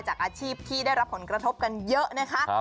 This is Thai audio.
อาชีพที่ได้รับผลกระทบกันเยอะนะคะ